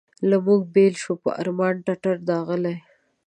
له موږ بېل شول په ارمان ټټر داغلي.